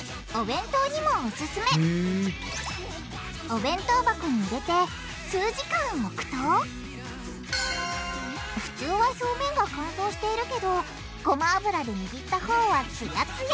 さらにお弁当箱に入れて数時間おくと普通は表面が乾燥しているけどごま油でにぎったほうはツヤツヤ！